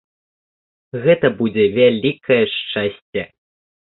Гэта будзе вялікае шчасце.